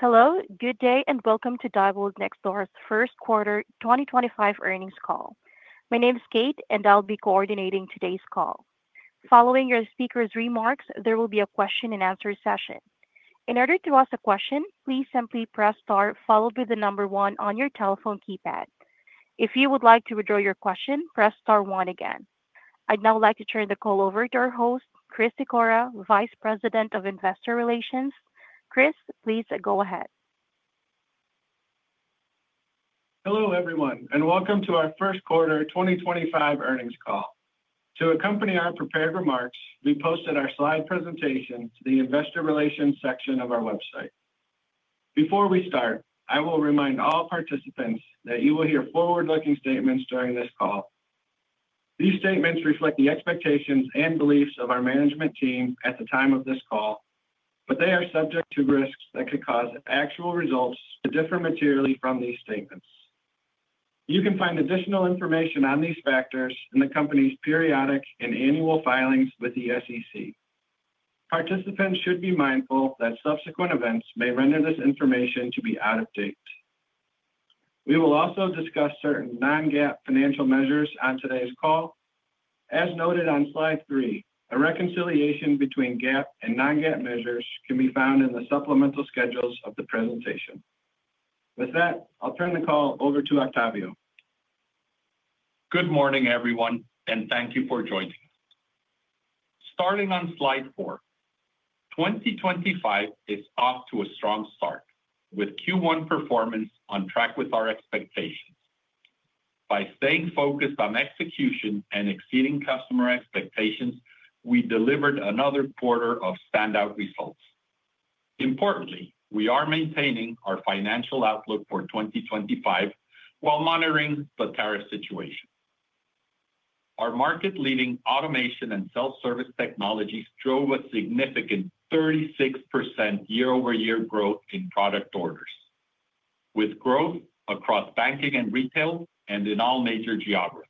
Hello, good day, and welcome to Diebold Nixdorf's first quarter 2025 earnings call. My name is Kate, and I'll be coordinating today's call. Following your speaker's remarks, there will be a question-and-answer session. In order to ask a question, please simply press star, followed by the number one on your telephone keypad. If you would like to withdraw your question, press star one again. I'd now like to turn the call over to our host, Chris Sikora, Vice President of Investor Relations. Chris, please go ahead. Hello everyone, and welcome to our first quarter 2025 earnings call. To accompany our prepared remarks, we posted our slide presentation to the Investor Relations section of our website. Before we start, I will remind all participants that you will hear forward-looking statements during this call. These statements reflect the expectations and beliefs of our management team at the time of this call, but they are subject to risks that could cause actual results to differ materially from these statements. You can find additional information on these factors in the company's periodic and annual filings with the SEC. Participants should be mindful that subsequent events may render this information to be out of date. We will also discuss certain non-GAAP financial measures on today's call. As noted on slide 3, a reconciliation between GAAP and non-GAAP measures can be found in the supplemental schedules of the presentation. With that, I'll turn the call over to Octavio. Good morning, everyone, and thank you for joining. Starting on slide 4, 2025 is off to a strong start with Q1 performance on track with our expectations. By staying focused on execution and exceeding customer expectations, we delivered another quarter of standout results. Importantly, we are maintaining our financial outlook for 2025 while monitoring the tariff situation. Our market-leading automation and self-service technologies drove a significant 36% year-over-year growth in product orders, with growth across banking and retail and in all major geographies.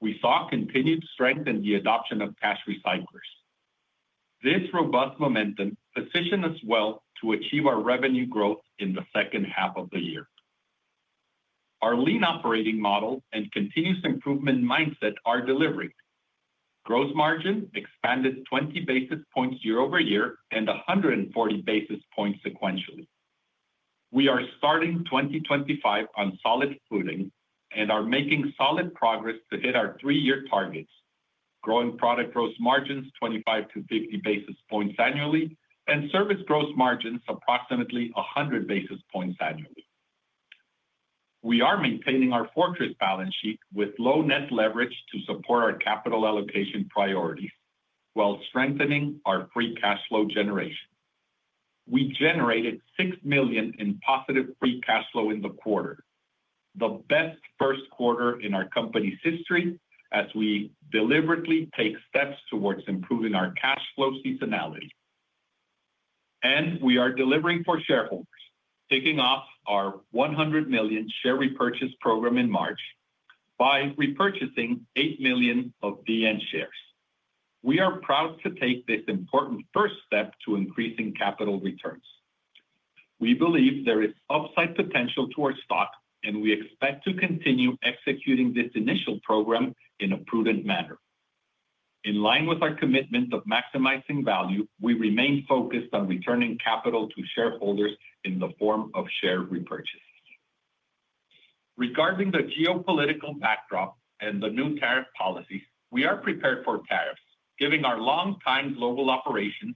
We saw continued strength in the adoption of cash recyclers. This robust momentum positioned us well to achieve our revenue growth in the second half of the year. Our lean operating model and continuous improvement mindset are delivering. Gross margin expanded 20 basis points year-over-year and 140 basis points sequentially. We are starting 2025 on solid footing and are making solid progress to hit our three-year targets, growing product gross margins 25-50 basis points annually and service gross margins approximately 100 basis points annually. We are maintaining our fortress balance sheet with low net leverage to support our capital allocation priorities while strengthening our free cash flow generation. We generated $6 million in positive free cash flow in the quarter, the best first quarter in our company's history as we deliberately take steps towards improving our cash flow seasonality. We are delivering for shareholders, kicking off our $100 million share repurchase program in March by repurchasing $8 million of DN shares. We are proud to take this important first step to increasing capital returns. We believe there is upside potential to our stock, and we expect to continue executing this initial program in a prudent manner. In line with our commitment of maximizing value, we remain focused on returning capital to shareholders in the form of share repurchases. Regarding the geopolitical backdrop and the new tariff policies, we are prepared for tariffs, given our long-time global operations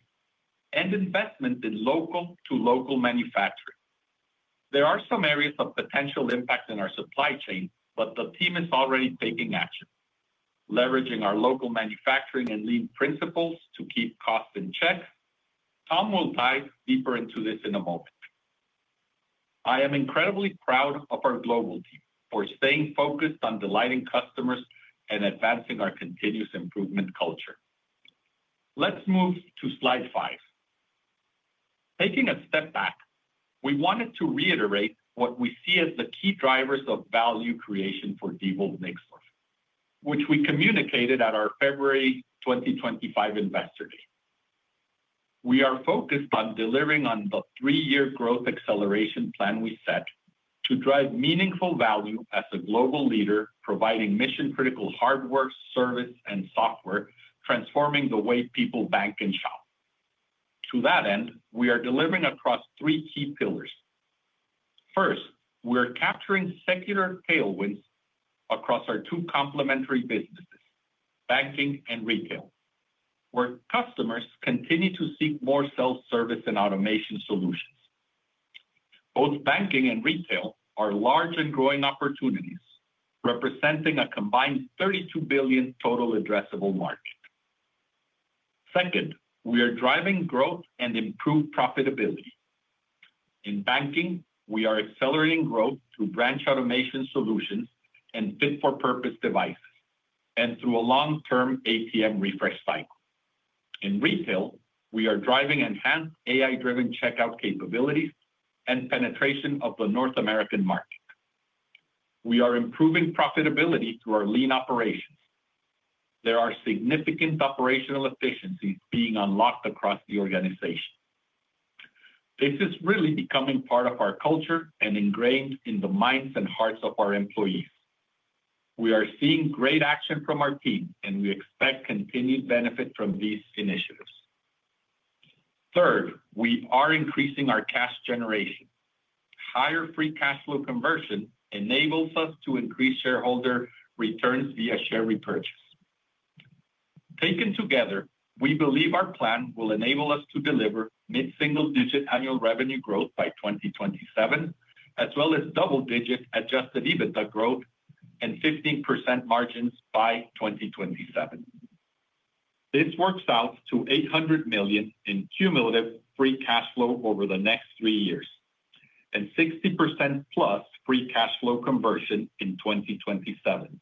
and investment in local-to-local manufacturing. There are some areas of potential impact in our supply chain, but the team is already taking action, leveraging our local manufacturing and lean principles to keep costs in check. Tom will dive deeper into this in a moment. I am incredibly proud of our global team for staying focused on delighting customers and advancing our continuous improvement culture. Let's move to slide 5. Taking a step back, we wanted to reiterate what we see as the key drivers of value creation for Diebold Nixdorf, which we communicated at our February 2025 Investor Day. We are focused on delivering on the three-year growth acceleration plan we set to drive meaningful value as a global leader, providing mission-critical hardware, service, and software transforming the way people bank and shop. To that end, we are delivering across three key pillars. First, we are capturing secular tailwinds across our two complementary businesses, banking and retail, where customers continue to seek more self-service and automation solutions. Both banking and retail are large and growing opportunities, representing a combined $32 billion total addressable market. Second, we are driving growth and improved profitability. In banking, we are accelerating growth through branch automation solutions and fit-for-purpose devices, and through a long-term ATM refresh cycle. In retail, we are driving enhanced AI-driven checkout capabilities and penetration of the North American market. We are improving profitability through our lean operations. There are significant operational efficiencies being unlocked across the organization. This is really becoming part of our culture and ingrained in the minds and hearts of our employees. We are seeing great action from our team, and we expect continued benefit from these initiatives. Third, we are increasing our cash generation. Higher free cash flow conversion enables us to increase shareholder returns via share repurchase. Taken together, we believe our plan will enable us to deliver mid-single-digit annual revenue growth by 2027, as well as double-digit adjusted EBITDA growth and 15% margins by 2027. This works out to $800 million in cumulative free cash flow over the next three years and 60%+ free cash flow conversion in 2027,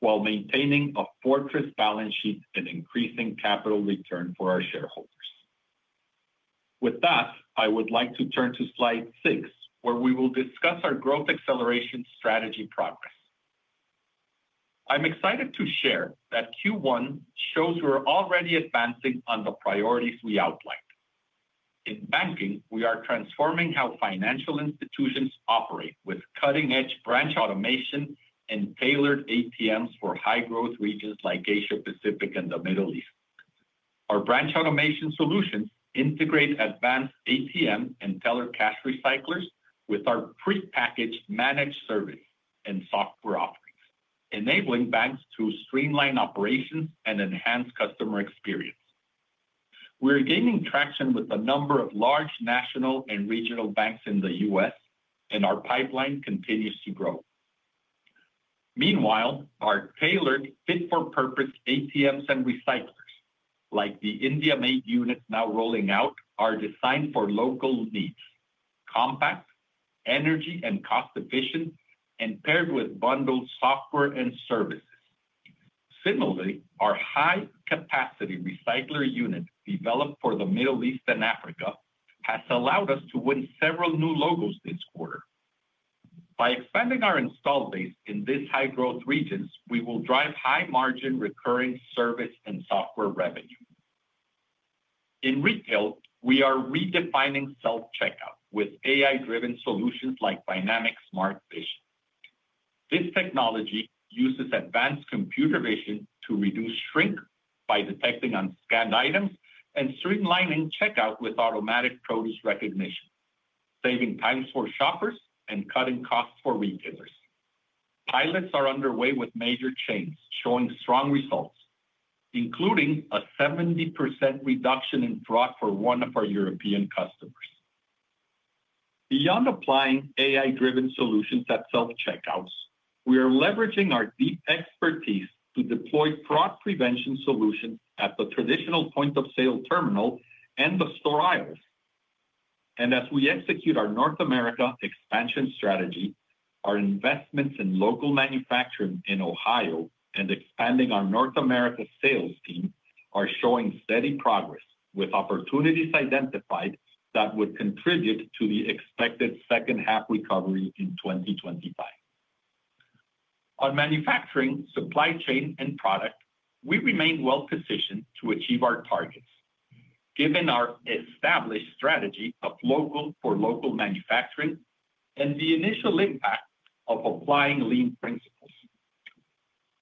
while maintaining a fortress balance sheet and increasing capital return for our shareholders. With that, I would like to turn to slide 6, where we will discuss our growth acceleration strategy progress. I'm excited to share that Q1 shows we're already advancing on the priorities we outlined. In banking, we are transforming how financial institutions operate with cutting-edge branch automation and tailored ATMs for high-growth regions like Asia-Pacific and the Middle East. Our branch automation solutions integrate advanced ATM and teller cash recyclers with our pre-packaged managed service and software offerings, enabling banks to streamline operations and enhance customer experience. We're gaining traction with a number of large national and regional banks in the U.S, and our pipeline continues to grow. Meanwhile, our tailored fit-for-purpose ATMs and recyclers, like the India-made units now rolling out, are designed for local needs: compact, energy and cost-efficient, and paired with bundled software and services. Similarly, our high-capacity recycler unit developed for the Middle East and Africa has allowed us to win several new logos this quarter. By expanding our install base in these high-growth regions, we will drive high-margin recurring service and software revenue. In retail, we are redefining self-checkout with AI-driven solutions like Dynamic Smart Vision. This technology uses advanced computer vision to reduce shrink by detecting unscanned items and streamlining checkout with automatic produce recognition, saving time for shoppers and cutting costs for retailers. Pilots are underway with major chains showing strong results, including a 70% reduction in fraud for one of our European customers. Beyond applying AI-driven solutions at self-checkouts, we are leveraging our deep expertise to deploy fraud prevention solutions at the traditional point-of-sale terminal and the store aisles. As we execute our North America expansion strategy, our investments in local manufacturing in Ohio and expanding our North America sales team are showing steady progress with opportunities identified that would contribute to the expected second-half recovery in 2025. On manufacturing, supply chain, and product, we remain well-positioned to achieve our targets, given our established strategy of local-for-local manufacturing and the initial impact of applying lean principles.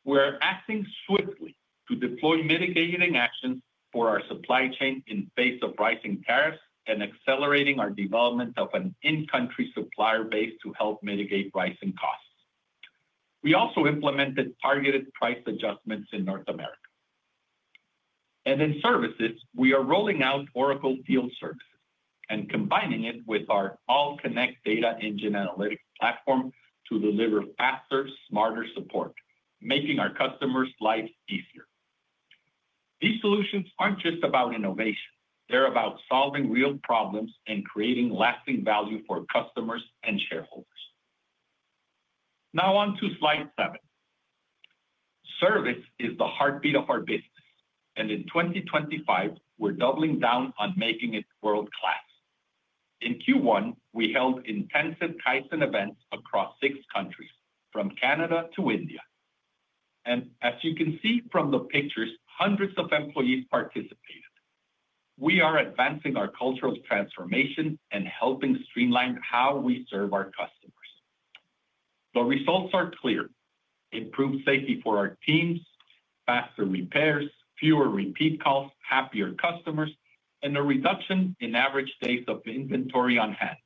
We are acting swiftly to deploy mitigating actions for our supply chain in the face of rising tariffs and accelerating our development of an in-country supplier base to help mitigate rising costs. We also implemented targeted price adjustments in North America. In services, we are rolling out Oracle Field Services and combining it with our AllConnect Data Engine Analytics platform to deliver faster, smarter support, making our customers' lives easier. These solutions are not just about innovation. They are about solving real problems and creating lasting value for customers and shareholders. Now on to slide 7. Service is the heartbeat of our business, and in 2025, we are doubling down on making it world-class. In Q1, we held intensive Tyson events across six countries, from Canada to India. As you can see from the pictures, hundreds of employees participated. We are advancing our cultural transformation and helping streamline how we serve our customers. The results are clear: improved safety for our teams, faster repairs, fewer repeat calls, happier customers, and a reduction in average days of inventory on hand.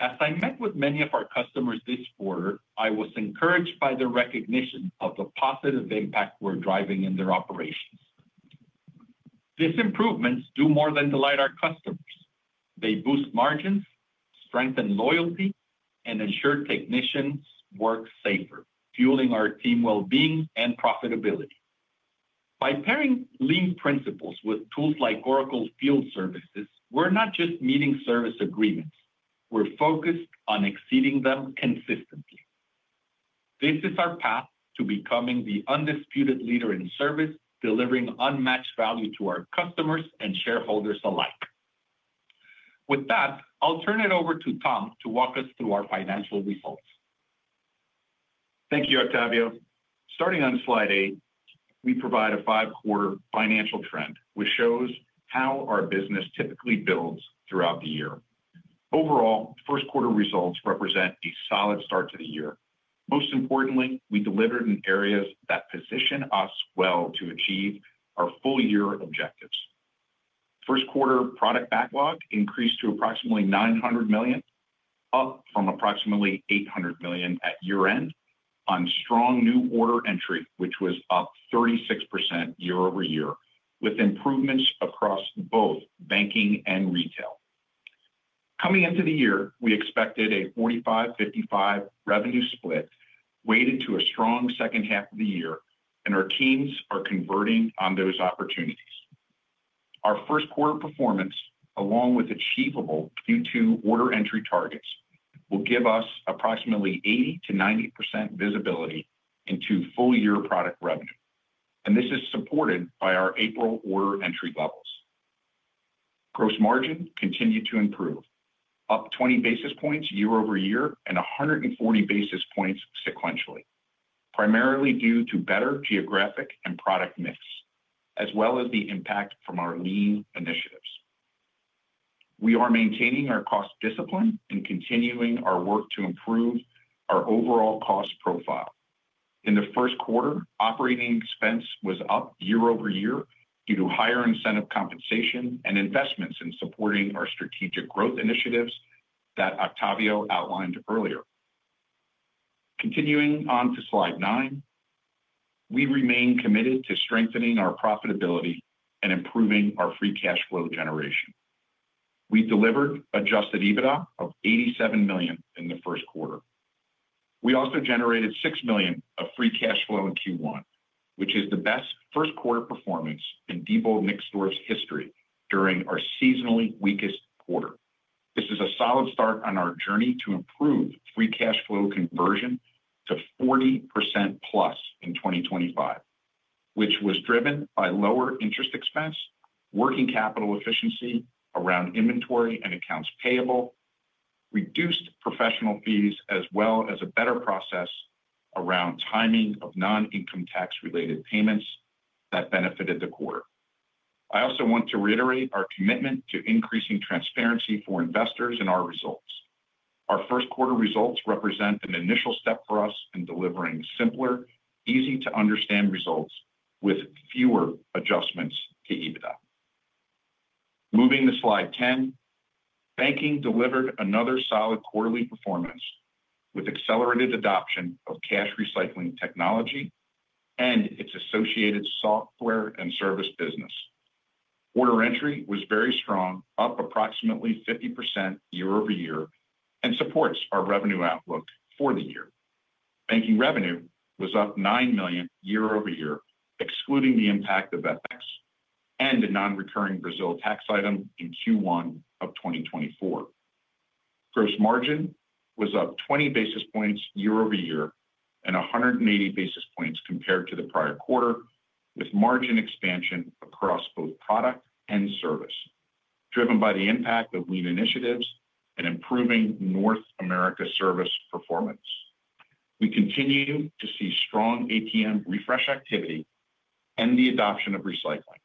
As I met with many of our customers this quarter, I was encouraged by the recognition of the positive impact we're driving in their operations. These improvements do more than delight our customers. They boost margins, strengthen loyalty, and ensure technicians work safer, fueling our team well-being and profitability. By pairing lean principles with tools like Oracle Field Services, we're not just meeting service agreements. We're focused on exceeding them consistently. This is our path to becoming the undisputed leader in service, delivering unmatched value to our customers and shareholders alike. With that, I'll turn it over to Tom to walk us through our financial results. Thank you, Octavio. Starting on slide 8, we provide a five-quarter financial trend, which shows how our business typically builds throughout the year. Overall, first-quarter results represent a solid start to the year. Most importantly, we delivered in areas that position us well to achieve our full-year objectives. First-quarter product backlog increased to approximately $900 million, up from approximately $800 million at year-end, on strong new order entry, which was up 36% year-over-year, with improvements across both banking and retail. Coming into the year, we expected a 45%-55% revenue split weighted to a strong second half of the year, and our teams are converting on those opportunities. Our first-quarter performance, along with achievable Q2 order entry targets, will give us approximately 80%-90% visibility into full-year product revenue. This is supported by our April order entry levels. Gross margin continued to improve, up 20 basis points year-over-year and 140 basis points sequentially, primarily due to better geographic and product mix, as well as the impact from our lean initiatives. We are maintaining our cost discipline and continuing our work to improve our overall cost profile. In the first quarter, operating expense was up year-over-year due to higher incentive compensation and investments in supporting our strategic growth initiatives that Octavio outlined earlier. Continuing on to slide 9, we remain committed to strengthening our profitability and improving our free cash flow generation. We delivered adjusted EBITDA of $87 million in the first quarter. We also generated $6 million of free cash flow in Q1, which is the best first-quarter performance in Diebold Nixdorf's history during our seasonally weakest quarter. This is a solid start on our journey to improve free cash flow conversion to 40%+ in 2025, which was driven by lower interest expense, working capital efficiency around inventory and accounts payable, reduced professional fees, as well as a better process around timing of non-income tax-related payments that benefited the quarter. I also want to reiterate our commitment to increasing transparency for investors in our results. Our first-quarter results represent an initial step for us in delivering simpler, easy-to-understand results with fewer adjustments to EBITDA. Moving to slide 10, banking delivered another solid quarterly performance with accelerated adoption of cash recycling technology and its associated software and service business. Order entry was very strong, up approximately 50% year-over-year, and supports our revenue outlook for the year. Banking revenue was up $9 million year-over-year, excluding the impact of FX and a non-recurring Brazil tax item in Q1 of 2024. Gross margin was up 20 basis points year-over-year and 180 basis points compared to the prior quarter, with margin expansion across both product and service, driven by the impact of lean initiatives and improving North America service performance. We continue to see strong ATM refresh activity and the adoption of recycling.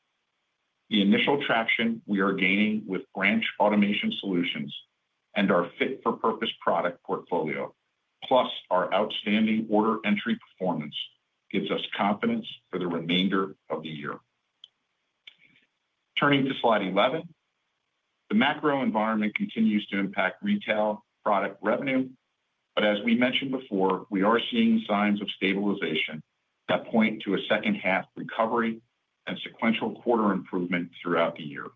The initial traction we are gaining with branch automation solutions and our fit-for-purpose product portfolio, plus our outstanding order entry performance, gives us confidence for the remainder of the year. Turning to slide 11, the macro environment continues to impact retail product revenue, but as we mentioned before, we are seeing signs of stabilization that point to a second-half recovery and sequential quarter improvement throughout the year.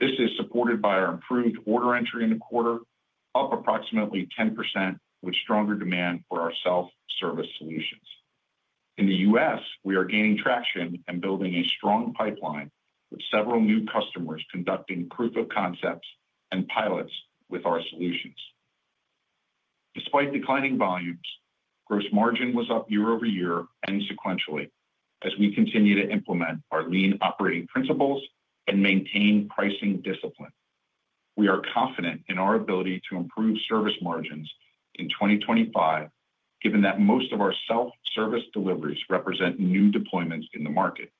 This is supported by our improved order entry in the quarter, up approximately 10% with stronger demand for our self-service solutions. In the U.S., we are gaining traction and building a strong pipeline with several new customers conducting proof of concepts and pilots with our solutions. Despite declining volumes, gross margin was up year-over-year and sequentially as we continue to implement our lean operating principles and maintain pricing discipline. We are confident in our ability to improve service margins in 2025, given that most of our self-service deliveries represent new deployments in the market.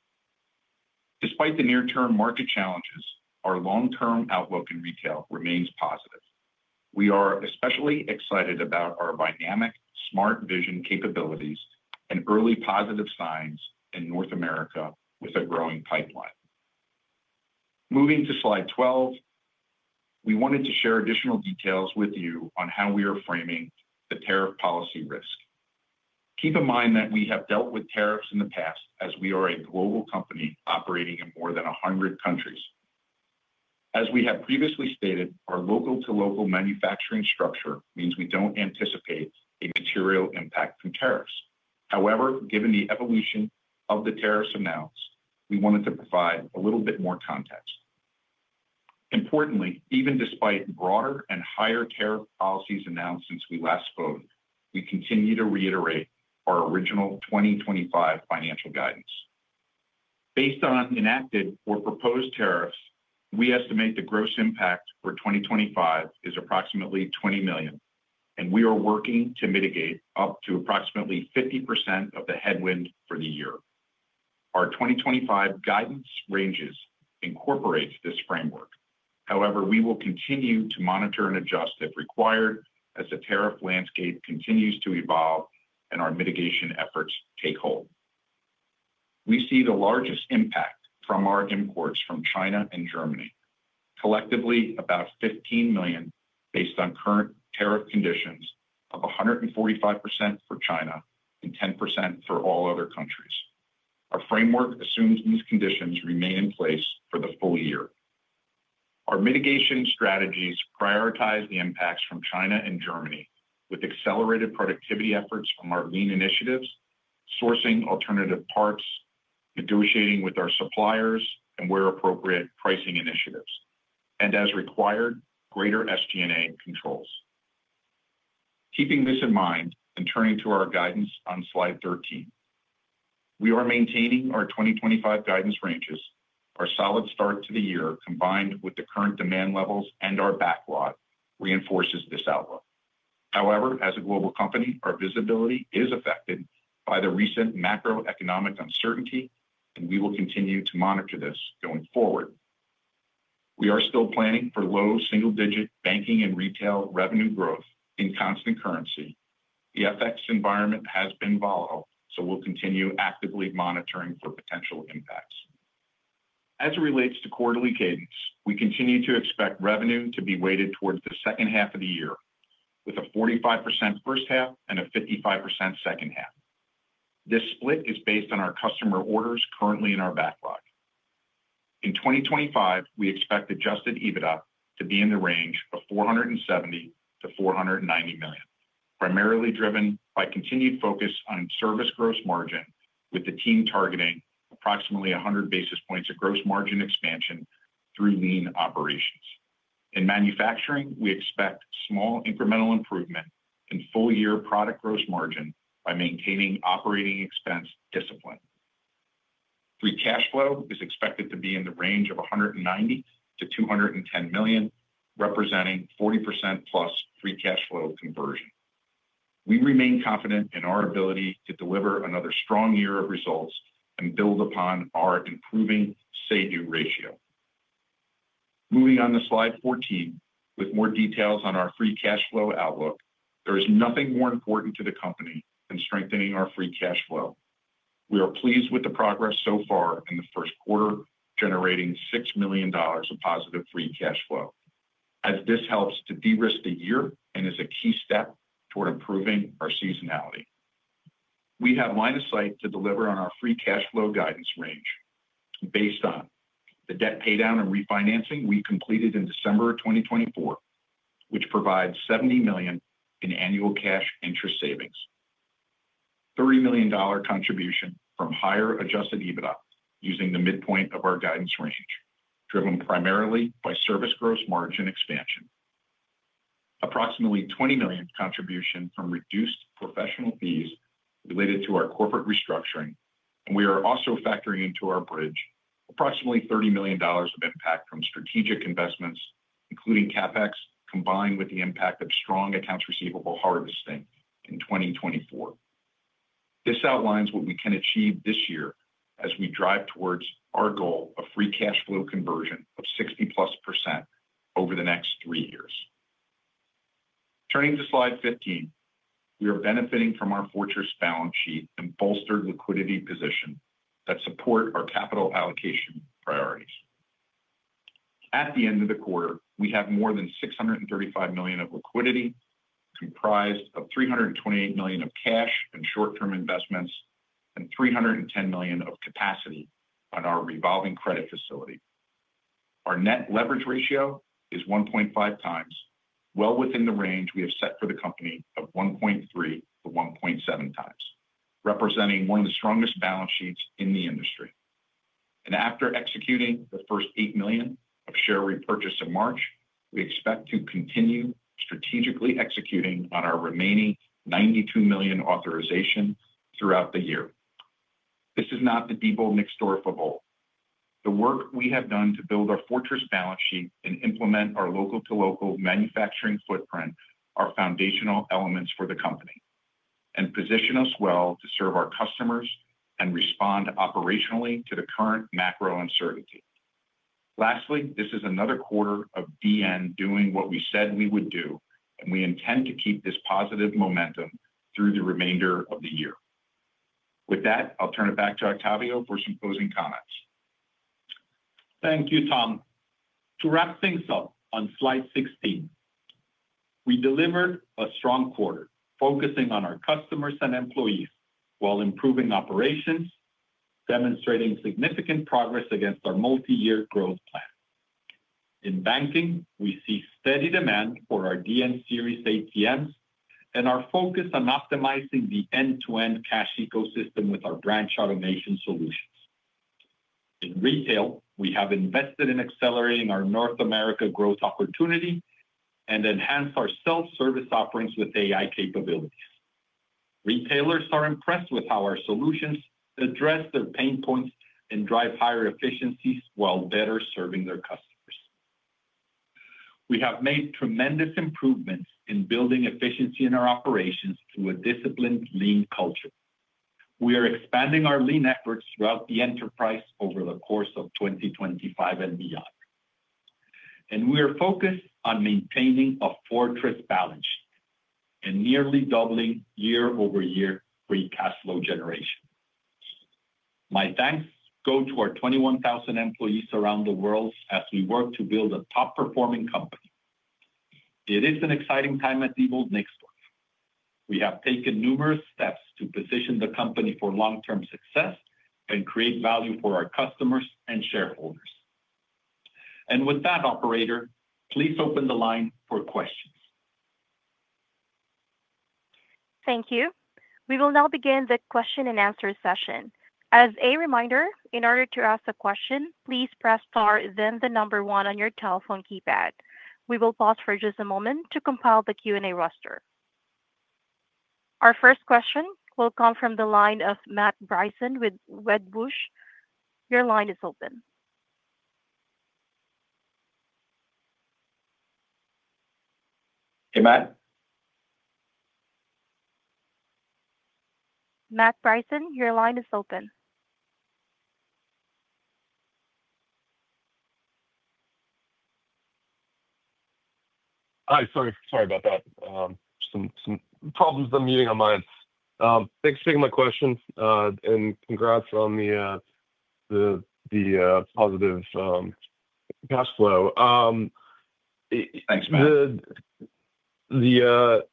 Despite the near-term market challenges, our long-term outlook in retail remains positive. We are especially excited about our Dynamic Smart Vision capabilities and early positive signs in North America with a growing pipeline. Moving to slide 12, we wanted to share additional details with you on how we are framing the tariff policy risk. Keep in mind that we have dealt with tariffs in the past as we are a global company operating in more than 100 countries. As we have previously stated, our local-to-local manufacturing structure means we do not anticipate a material impact from tariffs. However, given the evolution of the tariffs announced, we wanted to provide a little bit more context. Importantly, even despite broader and higher tariff policies announced since we last spoke, we continue to reiterate our original 2025 financial guidance. Based on enacted or proposed tariffs, we estimate the gross impact for 2025 is approximately $20 million, and we are working to mitigate up to approximately 50% of the headwind for the year. Our 2025 guidance ranges incorporate this framework. However, we will continue to monitor and adjust if required as the tariff landscape continues to evolve and our mitigation efforts take hold. We see the largest impact from our imports from China and Germany, collectively about $15 million based on current tariff conditions of 145% for China and 10% for all other countries. Our framework assumes these conditions remain in place for the full year. Our mitigation strategies prioritize the impacts from China and Germany with accelerated productivity efforts from our lean initiatives, sourcing alternative parts, negotiating with our suppliers, and where appropriate, pricing initiatives, and as required, greater SG&A controls. Keeping this in mind and turning to our guidance on slide 13, we are maintaining our 2025 guidance ranges. Our solid start to the year, combined with the current demand levels and our backlog, reinforces this outlook. However, as a global company, our visibility is affected by the recent macroeconomic uncertainty, and we will continue to monitor this going forward. We are still planning for low single-digit banking and retail revenue growth in constant currency. The FX environment has been volatile, so we'll continue actively monitoring for potential impacts. As it relates to quarterly cadence, we continue to expect revenue to be weighted towards the second half of the year with a 45% first half and a 55% second half. This split is based on our customer orders currently in our backlog. In 2025, we expect adjusted EBITDA to be in the range of $470 million-$490 million, primarily driven by continued focus on service gross margin, with the team targeting approximately 100 basis points of gross margin expansion through lean operations. In manufacturing, we expect small incremental improvement in full-year product gross margin by maintaining operating expense discipline. Free cash flow is expected to be in the range of $190 million-$210 million, representing 40%+ free cash flow conversion. We remain confident in our ability to deliver another strong year of results and build upon our improving say-do ratio. Moving on to slide 14, with more details on our free cash flow outlook, there is nothing more important to the company than strengthening our free cash flow. We are pleased with the progress so far in the first quarter, generating $6 million of positive free cash flow, as this helps to de-risk the year and is a key step toward improving our seasonality. We have line of sight to deliver on our free cash flow guidance range based on the debt paydown and refinancing we completed in December of 2024, which provides $70 million in annual cash interest savings, $30 million contribution from higher adjusted EBITDA using the midpoint of our guidance range, driven primarily by service gross margin expansion, approximately $20 million contribution from reduced professional fees related to our corporate restructuring. We are also factoring into our bridge approximately $30 million of impact from strategic investments, including CapEx, combined with the impact of strong accounts receivable harvesting in 2024. This outlines what we can achieve this year as we drive towards our goal of free cash flow conversion of 60+% over the next three years. Turning to slide 15, we are benefiting from our fortress balance sheet and bolstered liquidity position that support our capital allocation priorities. At the end of the quarter, we have more than $635 million of liquidity comprised of $328 million of cash and short-term investments and $310 million of capacity on our revolving credit facility. Our net leverage ratio is 1.5x, well within the range we have set for the company of 1.3x-1.7x, representing one of the strongest balance sheets in the industry. After executing the first $8 million of share repurchase in March, we expect to continue strategically executing on our remaining $92 million authorization throughout the year. This is not the Diebold Nixdorf of old. The work we have done to build our fortress balance sheet and implement our local-to-local manufacturing footprint are foundational elements for the company and position us well to serve our customers and respond operationally to the current macro uncertainty. Lastly, this is another quarter of DN doing what we said we would do, and we intend to keep this positive momentum through the remainder of the year. With that, I'll turn it back to Octavio for some closing comments. Thank you, Tom. To wrap things up on slide 16, we delivered a strong quarter focusing on our customers and employees while improving operations, demonstrating significant progress against our multi-year growth plan. In banking, we see steady demand for our DN series ATMs and our focus on optimizing the end-to-end cash ecosystem with our branch automation solutions. In retail, we have invested in accelerating our North America growth opportunity and enhanced our self-service offerings with AI capabilities. Retailers are impressed with how our solutions address their pain points and drive higher efficiencies while better serving their customers. We have made tremendous improvements in building efficiency in our operations through a disciplined lean culture. We are expanding our lean efforts throughout the enterprise over the course of 2025 and beyond. We are focused on maintaining a fortress balance sheet and nearly doubling year-over-year free cash flow generation. My thanks go to our 21,000 employees around the world as we work to build a top-performing company. It is an exciting time at Diebold Nixdorf. We have taken numerous steps to position the company for long-term success and create value for our customers and shareholders. With that, operator, please open the line for questions. Thank you. We will now begin the question and answer session. As a reminder, in order to ask a question, please press star, then the number one on your telephone keypad. We will pause for just a moment to compile the Q&A roster. Our first question will come from the line of Matt Bryson with Wedbush. Your line is open. Hey, Matt. Matt Bryson, your line is open. Hi, sorry about that. Some problems with the meeting on my end. Thanks for taking my question, and congrats on the positive cash flow. Thanks, Matt. The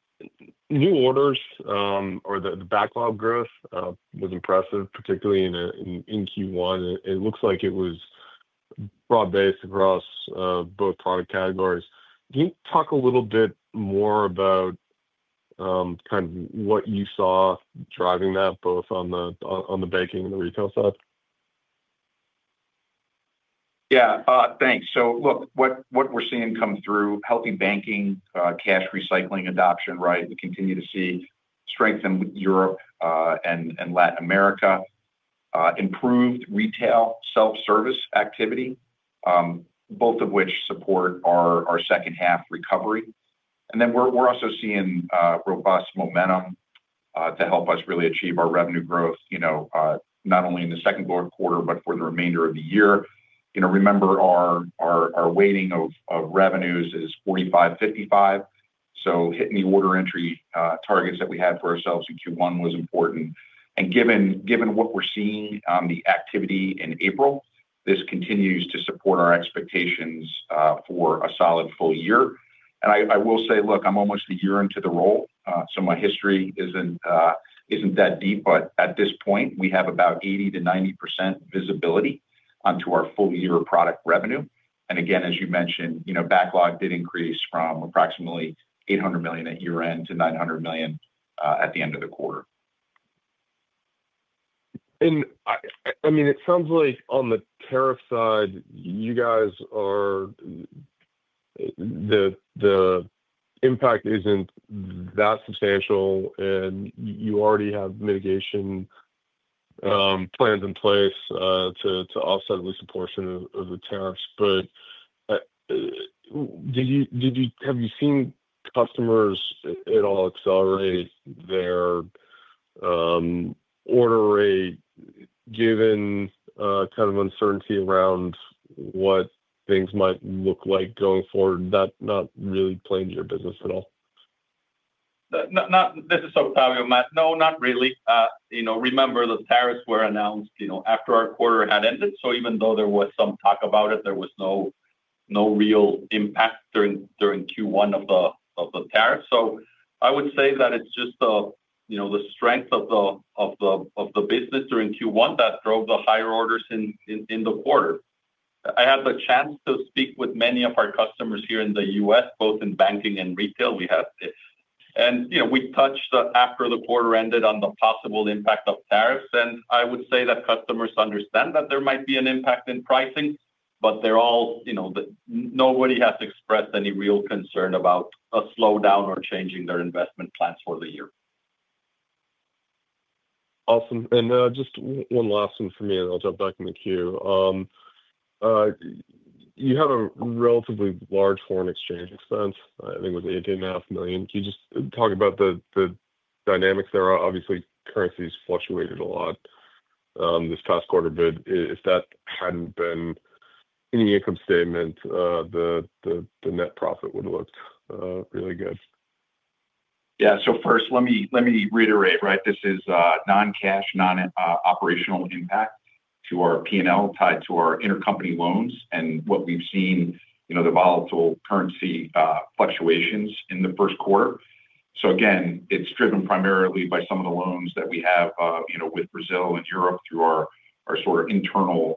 new orders or the backlog growth was impressive, particularly in Q1. It looks like it was broad-based across both product categories. Can you talk a little bit more about kind of what you saw driving that, both on the banking and the retail side? Yeah, thanks. Look, what we're seeing come through is healthy banking, cash recycling adoption, right? We continue to see strength in Europe and Latin America, improved retail self-service activity, both of which support our second-half recovery. We're also seeing robust momentum to help us really achieve our revenue growth, not only in the second quarter, but for the remainder of the year. Remember, our weighting of revenues is 45-55. Hitting the order entry targets that we had for ourselves in Q1 was important. Given what we're seeing on the activity in April, this continues to support our expectations for a solid full year. I will say, look, I'm almost a year into the role, so my history isn't that deep. At this point, we have about 80%-90% visibility onto our full-year product revenue. Again, as you mentioned, backlog did increase from approximately $800 million at year-end to $900 million at the end of the quarter. I mean, it sounds like on the tariff side, you guys are, the impact is not that substantial, and you already have mitigation plans in place to offset at least a portion of the tariffs. Have you seen customers at all accelerate their order rate given kind of uncertainty around what things might look like going forward? Not really playing to your business at all. This is Octavio, Matt. No, not really. Remember, the tariffs were announced after our quarter had ended. Even though there was some talk about it, there was no real impact during Q1 of the tariffs. I would say that it is just the strength of the business during Q1 that drove the higher orders in the quarter. I had the chance to speak with many of our customers here in the U.S., both in banking and retail. We touched after the quarter ended on the possible impact of tariffs. I would say that customers understand that there might be an impact in pricing, but nobody has expressed any real concern about a slowdown or changing their investment plans for the year. Awesome. Just one last one from me, and I'll jump back in the queue. You have a relatively large foreign exchange expense, I think it was $80.5 million. Can you just talk about the dynamics there? Obviously, currencies fluctuated a lot this past quarter, but if that had not been in the income statement, the net profit would have looked really good. Yeah. First, let me reiterate, right? This is non-cash, non-operational impact to our P&L tied to our intercompany loans and what we have seen, the volatile currency fluctuations in the first quarter. Again, it's driven primarily by some of the loans that we have with Brazil and Europe through our sort of internal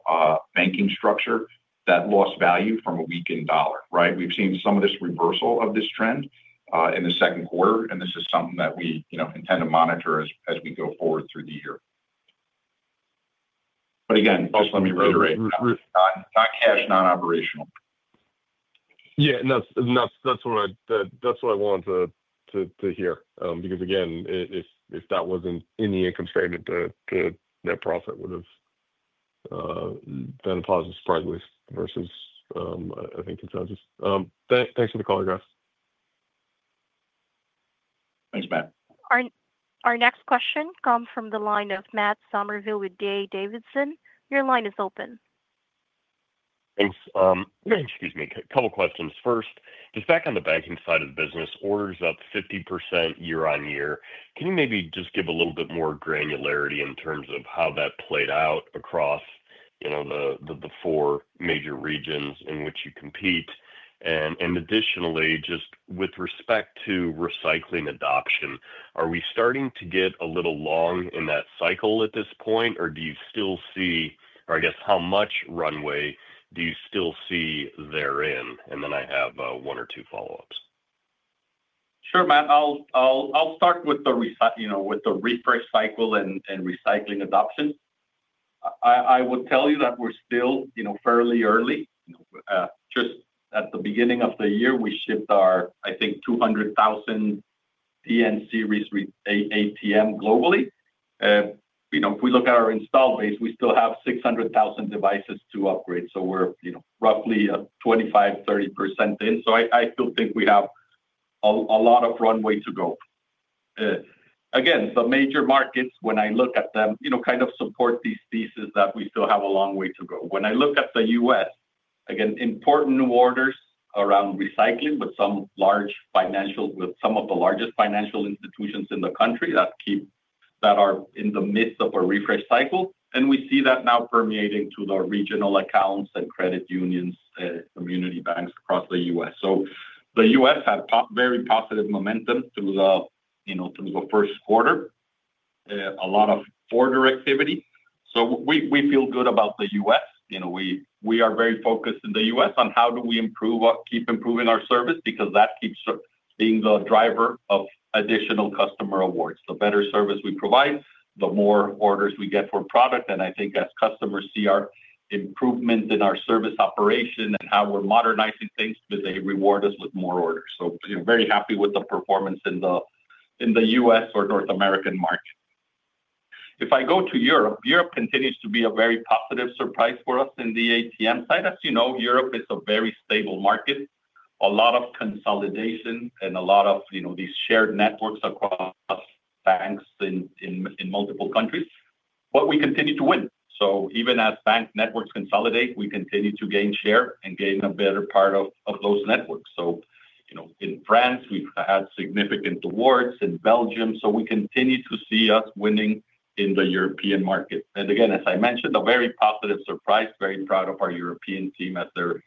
banking structure that lost value from a weakened dollar, right? We've seen some of this reversal of this trend in the second quarter, and this is something that we intend to monitor as we go forward through the year. Again, just let me reiterate, non-cash, non-operational. Yeah. That's what I wanted to hear. Because again, if that wasn't in the income statement, the net profit would have been a positive surprise versus I think it's not. Just thanks for the call, guys. Thanks, Matt. Our next question comes from the line of Matt Somerville with D.A. Davidson. Your line is open. Thanks. Excuse me. A couple of questions. First, just back on the banking side of the business, orders up 50% year-on-year. Can you maybe just give a little bit more granularity in terms of how that played out across the four major regions in which you compete? Additionally, just with respect to recycling adoption, are we starting to get a little long in that cycle at this point, or do you still see, or I guess, how much runway do you still see therein? I have one or two follow-ups. Sure, Matt. I'll start with the refresh cycle and recycling adoption. I would tell you that we're still fairly early. Just at the beginning of the year, we shipped our, I think, 200,000 DN series ATM globally. If we look at our install base, we still have 600,000 devices to upgrade. We're roughly 25%-30% in. I still think we have a lot of runway to go. Again, the major markets, when I look at them, kind of support these theses that we still have a long way to go. When I look at the U.S., again, important new orders around recycling, but some large financial with some of the largest financial institutions in the country that are in the midst of a refresh cycle. We see that now permeating to the regional accounts and credit unions and community banks across the U.S. The U.S. had very positive momentum through the first quarter, a lot of order activity. We feel good about the U.S. We are very focused in the U.S. on how do we keep improving our service because that keeps being the driver of additional customer awards. The better service we provide, the more orders we get for product. I think as customers see our improvement in our service operation and how we are modernizing things, they reward us with more orders. Very happy with the performance in the U.S. or North American market. If I go to Europe, Europe continues to be a very positive surprise for us on the ATM side. As you know, Europe is a very stable market, a lot of consolidation, and a lot of these shared networks across banks in multiple countries. We continue to win. Even as bank networks consolidate, we continue to gain share and gain a better part of those networks. In France, we have had significant awards. In Belgium, we continue to see us winning in the European market. Again, as I mentioned, a very positive surprise, very proud of our European team as they are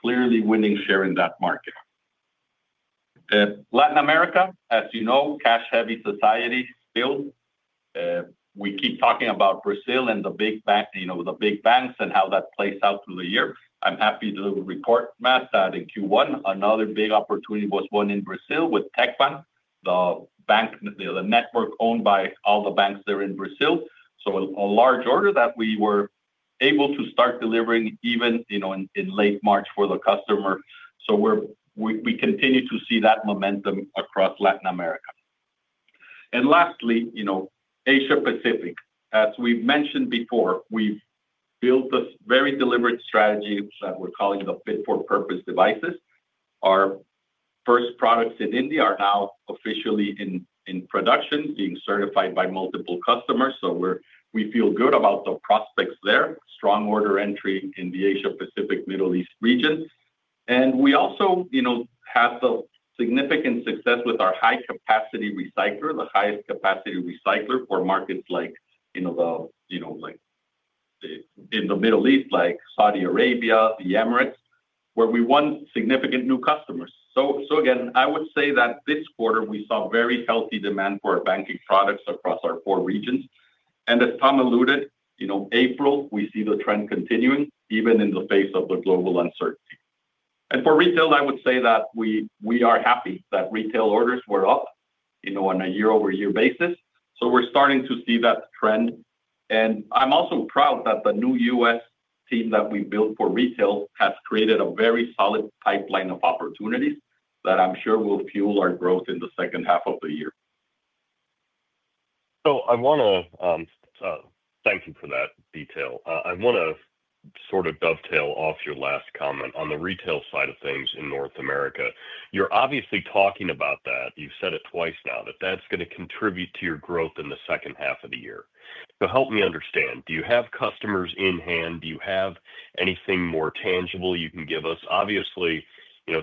clearly winning share in that market. Latin America, as you know, cash-heavy society still. We keep talking about Brazil and the big banks and how that plays out through the year. I'm happy to report, Matt, that in Q1, another big opportunity was won in Brazil with TechBank, the network owned by all the banks there in Brazil. So a large order that we were able to start delivering even in late March for the customer. We continue to see that momentum across Latin America. Lastly, Asia-Pacific. As we've mentioned before, we've built a very deliberate strategy that we're calling the Fit for Purpose Devices. Our first products in India are now officially in production, being certified by multiple customers. We feel good about the prospects there, strong order entry in the Asia-Pacific, Middle East region. We also have the significant success with our high-capacity recycler, the highest capacity recycler for markets like in the Middle East, like Saudi Arabia, the Emirates, where we won significant new customers. I would say that this quarter, we saw very healthy demand for our banking products across our four regions. As Tom alluded, April, we see the trend continuing even in the face of the global uncertainty. For retail, I would say that we are happy that retail orders were up on a year-over-year basis. We are starting to see that trend. I am also proud that the new U.S. team that we built for retail has created a very solid pipeline of opportunities that I am sure will fuel our growth in the second half of the year. I want to thank you for that detail. I want to sort of dovetail off your last comment on the retail side of things in North America. You're obviously talking about that. You've said it twice now, that that's going to contribute to your growth in the second half of the year. Help me understand. Do you have customers in hand? Do you have anything more tangible you can give us? Obviously,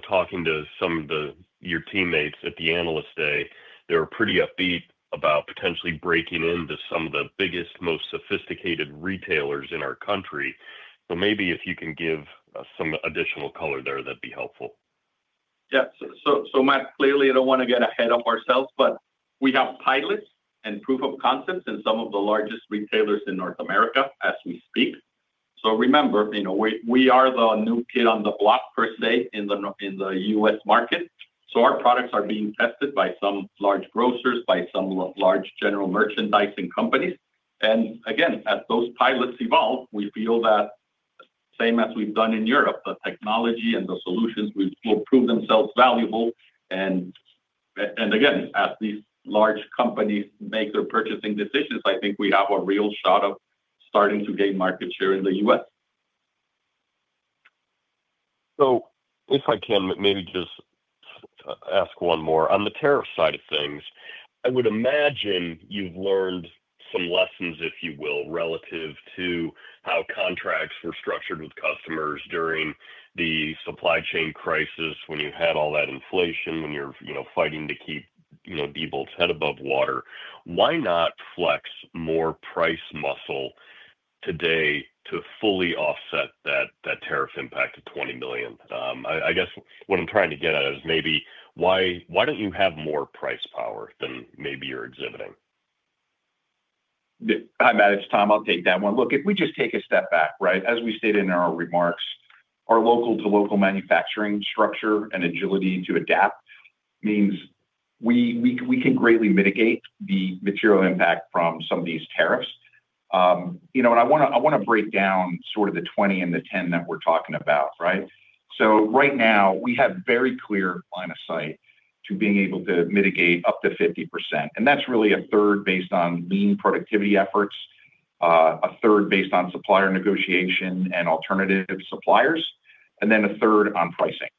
talking to some of your teammates at the Analyst Day, they're pretty upbeat about potentially breaking into some of the biggest, most sophisticated retailers in our country. Maybe if you can give some additional color there, that'd be helpful. Yeah. Matt, clearly, I don't want to get ahead of ourselves, but we have pilots and proof of concepts in some of the largest retailers in North America as we speak. Remember, we are the new kid on the block, per se, in the U.S. market. Our products are being tested by some large grocers, by some large general merchandising companies. Again, as those pilots evolve, we feel that, same as we have done in Europe, the technology and the solutions will prove themselves valuable. Again, as these large companies make their purchasing decisions, I think we have a real shot of starting to gain market share in the US. If I can maybe just ask one more. On the tariff side of things, I would imagine you have learned some lessons, if you will, relative to how contracts were structured with customers during the supply chain crisis when you had all that inflation, when you were fighting to keep Diebold Nixdorf's head above water. Why not flex more price muscle today to fully offset that tariff impact of $20 million? I guess what I'm trying to get at is maybe why don't you have more price power than maybe you're exhibiting? Hi, Matt. It's Tom. I'll take that one. Look, if we just take a step back, right, as we stated in our remarks, our local-to-local manufacturing structure and agility to adapt means we can greatly mitigate the material impact from some of these tariffs. I want to break down sort of the 20 and the 10 that we're talking about, right? Right now, we have a very clear line of sight to being able to mitigate up to 50%. That's really a third based on lean productivity efforts, a third based on supplier negotiation and alternative suppliers, and then a third on pricing.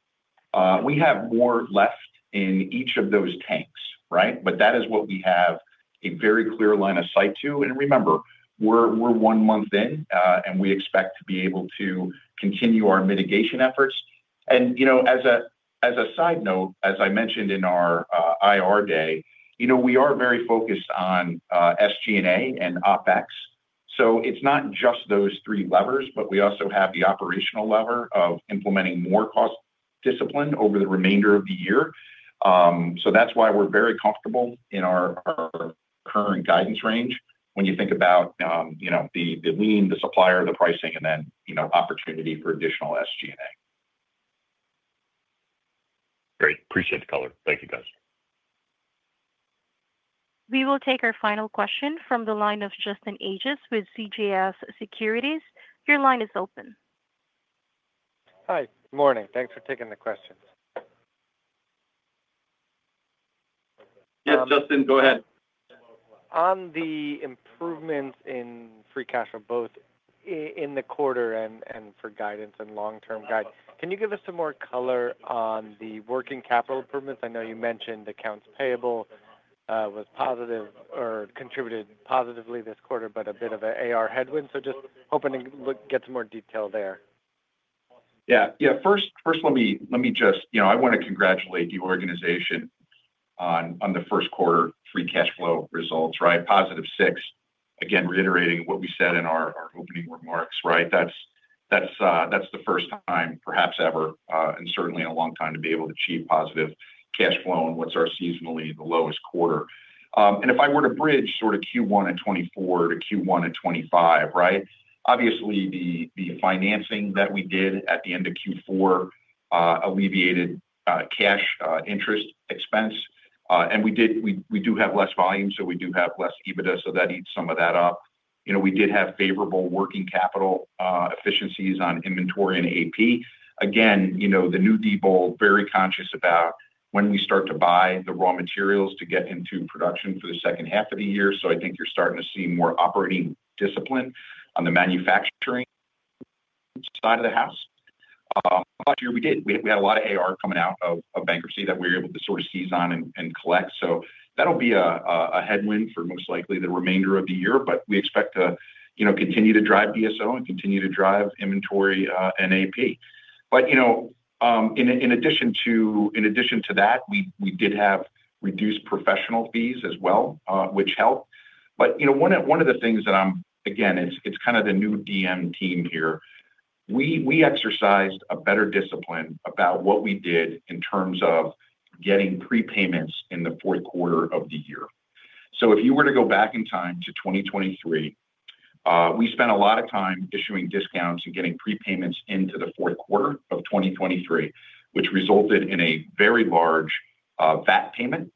We have more left in each of those tanks, right? That is what we have a very clear line of sight to. Remember, we're one month in, and we expect to be able to continue our mitigation efforts. As a side note, as I mentioned in our IR day, we are very focused on SG&A and OpEx. It is not just those three levers, but we also have the operational lever of implementing more cost discipline over the remainder of the year. That is why we are very comfortable in our current guidance range when you think about the lean, the supplier, the pricing, and then opportunity for additional SG&A. Great. Appreciate the color. Thank you, guys. We will take our final question from the line of Justin Ages with CJS Securities. Your line is open. Hi. Good morning. Thanks for taking the questions. Yes, Justin, go ahead. On the improvements in free cash flow, both in the quarter and for guidance and long-term guidance, can you give us some more color on the working capital improvements? I know you mentioned accounts payable was positive or contributed positively this quarter, but a bit of an AR headwind. Just hoping to get some more detail there. Yeah. First, let me just I want to congratulate the organization on the first quarter free cash flow results, right? Positive six. Again, reiterating what we said in our opening remarks, right? That is the first time, perhaps ever, and certainly in a long time to be able to achieve positive cash flow in what is our seasonally the lowest quarter. If I were to bridge sort of Q1 at 2024 to Q1 at 2025, right? Obviously, the financing that we did at the end of Q4 alleviated cash interest expense. We do have less volume, so we do have less EBITDA, so that eats some of that up. We did have favorable working capital efficiencies on inventory and AP. Again, the new Diebold Nixdorf, very conscious about when we start to buy the raw materials to get into production for the second half of the year. I think you're starting to see more operating discipline on the manufacturing side of the house. Last year, we did. We had a lot of AR coming out of bankruptcy that we were able to sort of seize on and collect. That will be a headwind for most likely the remainder of the year. We expect to continue to drive BSO and continue to drive inventory and AP. In addition to that, we did have reduced professional fees as well, which helped. One of the things that I'm, again, it's kind of the new DM team here. We exercised a better discipline about what we did in terms of getting prepayments in the fourth quarter of the year. If you were to go back in time to 2023, we spent a lot of time issuing discounts and getting prepayments into the fourth quarter of 2023, which resulted in a very large VAT payment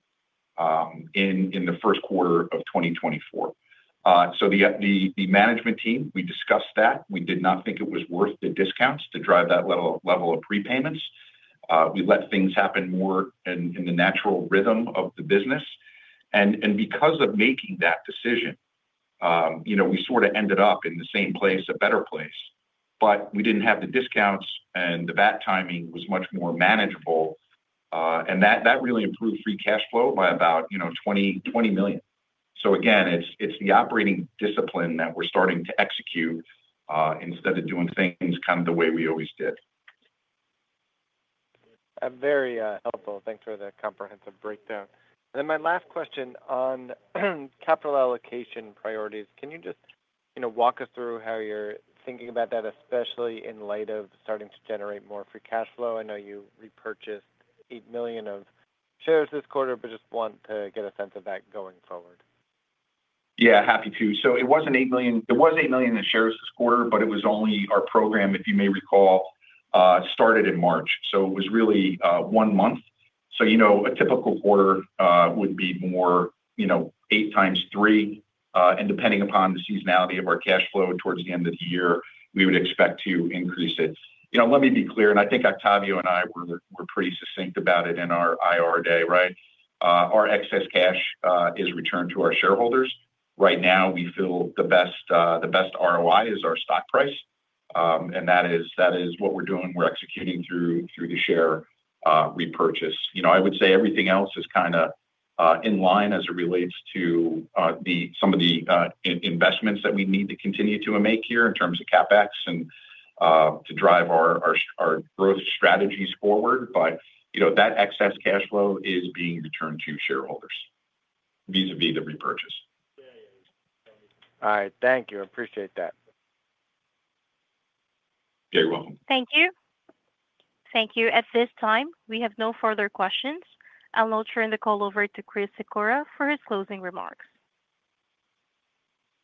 in the first quarter of 2024. The management team, we discussed that. We did not think it was worth the discounts to drive that level of prepayments. We let things happen more in the natural rhythm of the business. Because of making that decision, we sort of ended up in the same place, a better place. We did not have the discounts, and the VAT timing was much more manageable. That really improved free cash flow by about $20 million. It is the operating discipline that we are starting to execute instead of doing things kind of the way we always did. Very helpful. Thanks for the comprehensive breakdown. My last question on capital allocation priorities. Can you just walk us through how you are thinking about that, especially in light of starting to generate more free cash flow? I know you repurchased $8 million of shares this quarter, but just want to get a sense of that going forward. Yeah. Happy to. It was $8 million in shares this quarter, but it was only our program, if you may recall, started in March. It was really one month. A typical quarter would be more $8 million x3. Depending upon the seasonality of our cash flow towards the end of the year, we would expect to increase it. Let me be clear. I think Octavio and I were pretty succinct about it in our IR day, right? Our excess cash is returned to our shareholders. Right now, we feel the best ROI is our stock price. That is what we're doing. We're executing through the share repurchase. I would say everything else is kind of in line as it relates to some of the investments that we need to continue to make here in terms of CapEx and to drive our growth strategies forward. That excess cash flow is being returned to shareholders vis-à-vis the repurchase. All right. Thank you. I appreciate that. You're welcome. Thank you. Thank you. At this time, we have no further questions. I'll now turn the call over to Chris Sikora for his closing remarks.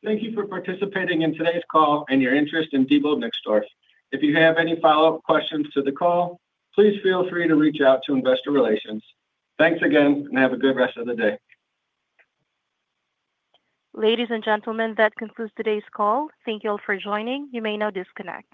Thank you for participating in today's call and your interest in Diebold Nixdorf. If you have any follow-up questions to the call, please feel free to reach out to Investor Relations. Thanks again, and have a good rest of the day. Ladies and gentlemen, that concludes today's call. Thank you all for joining. You may now disconnect.